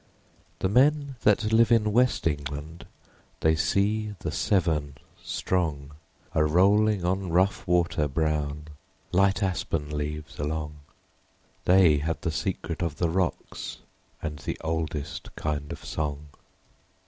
31 The men that live in West England They see the Severn strong, A rolling on rough water brown Light aspen leaves along. They have the secret of the Rocks, And the oldest kind of song.